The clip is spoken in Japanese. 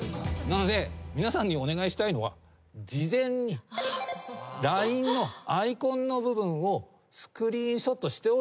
なので皆さんにお願いしたいのは事前にＬＩＮＥのアイコンの部分をスクリーンショットしておいてほしいんです。